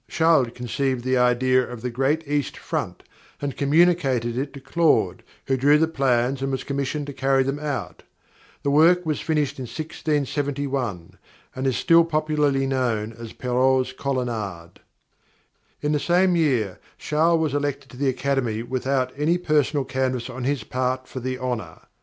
Charles conceived the idea of the great east front and communicated it to Claude, who drew the plans and was commissioned to carry them out. The work was finished in 1671, and is still popularly known as Perrault's Colonnade._ _In the same year Charles was elected to the Academy without any personal canvas on his part for the honour.